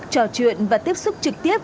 trò chuyện và tiếp xúc trực tiếp